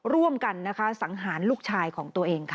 ร่วมกันนะคะสังหารลูกชายของตัวเองค่ะ